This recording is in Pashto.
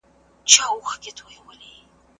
جلات خان او شمایله یو له دغو کیسو څخه دي.